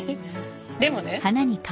でもね。